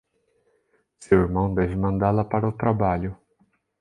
Seu irmão deve mandá-la para o trabalho.